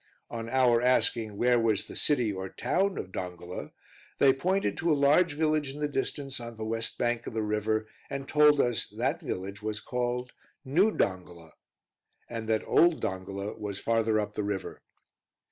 On our asking where was the city or town of Dongola, they pointed to a large village in the distance on the west bank of the river, and told us that village was called "New Dongola," and that Old Dongola was farther up the river.